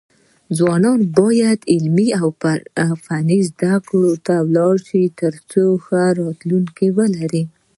ځوانان بايد علمي او فني زده کړو ته لاړ شي، ترڅو ښه راتلونکی ولري.